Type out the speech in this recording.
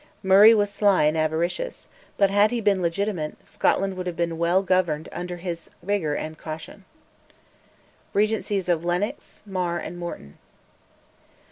Murray was sly and avaricious, but, had he been legitimate, Scotland would have been well governed under his vigour and caution. REGENCIES OF LENNOX, MAR, AND MORTON.